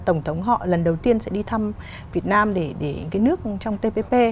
tổng thống họ lần đầu tiên sẽ đi thăm việt nam để cái nước trong tpp